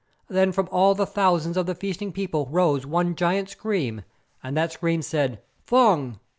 Then from all the thousands of the feasting people rose one giant scream, and that scream said, "Fung!